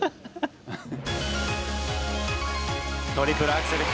トリプルアクセル